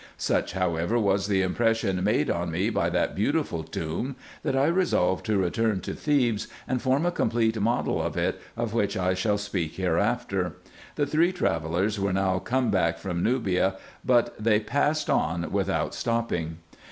Such however was the impression made on me by that beautiful tomb, that I resolved to return to Thebes, and form a complete model of it, of which I shall speak hereafter. The three travellers were now come back from Nubia, but they passed on without stopping.